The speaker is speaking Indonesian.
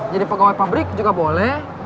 jadi pegawai pabrik juga boleh